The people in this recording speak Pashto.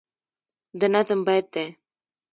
د نظم بیت دی